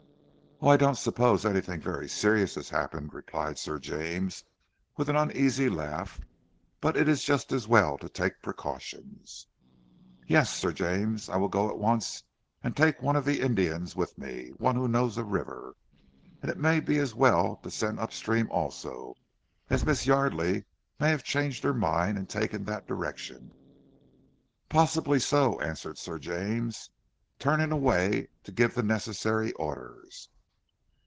"Oh, I don't suppose anything very serious has happened," replied Sir James, with an uneasy laugh, "but it is just as well to take precautions." "Yes, Sir James! I will go at once and take one of the Indians with me one who knows the river. And it may be as well to send upstream also, as Miss Yardely may have changed her mind and taken that direction." "Possibly so!" answered Sir James, turning away to give the necessary orders.